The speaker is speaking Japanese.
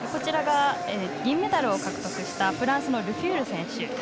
銀メダルを獲得したフランスのルフュール選手。